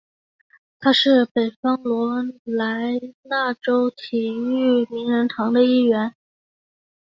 他是北卡罗来纳州体育名人堂的一员。